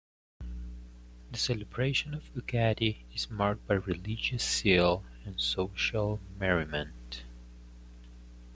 The celebration of Ugadi is marked by religious zeal and social merriment.